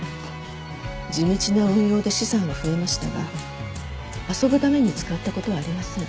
地道な運用で資産は増えましたが遊ぶために使った事はありません。